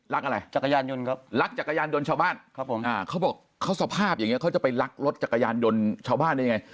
อะไรจักรยานยนต์ครับรักจักรยานยนต์ชาวบ้านครับผมอ่าเขาบอกเขาสภาพอย่างนี้เขาจะไปลักรถจักรยานยนต์ชาวบ้านได้ยังไง